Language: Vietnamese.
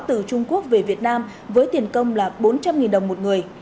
từ trung quốc về việt nam với tiền công là bốn trăm linh đồng một người